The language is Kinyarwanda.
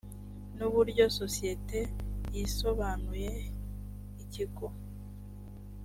n uburyo sosiyete yisobanuye ikigo cma